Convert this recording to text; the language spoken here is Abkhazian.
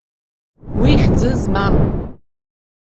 Уи хьӡы змам.